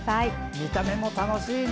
見た目も楽しいね。